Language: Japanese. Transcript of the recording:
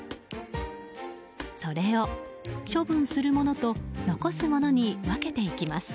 それを処分するものと残すものに分けていきます。